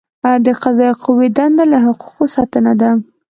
د قضائیه قوې دنده له حقوقو ساتنه ده.